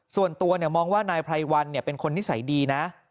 ส่วนตัวเนี่ยมองว่านายไพรวันเนี่ยเป็นคนนิสัยดีนะ